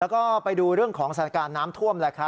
แล้วก็ไปดูเรื่องของสถานการณ์น้ำท่วม